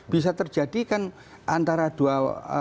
bisa terjadi kan antara dua